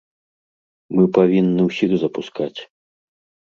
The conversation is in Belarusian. Мы павінны ўсіх запускаць.